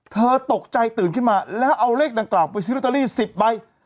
เธอตกใจตื่นขึ้นมาแล้วเอาเลขดังกล่าวไปซื้อลอตเตอรี่๑๐ใบ